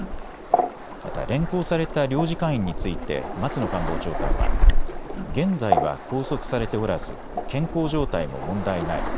また連行された領事館員について松野官房長官は、現在は拘束されておらず健康状態も問題ない。